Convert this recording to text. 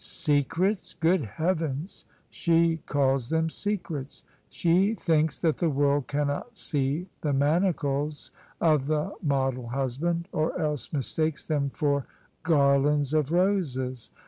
" Secrets, good heavens ! She calls them secrets 1 She thinks that the world cannot see the manacles of the model husband, or else mistakes them for garlands of roses!